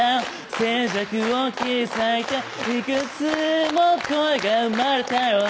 「静寂を切り裂いていくつも声が生まれたよ」